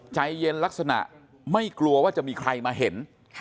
ใจเย็นลักษณะไม่กลัวว่าจะมีใครมาเห็น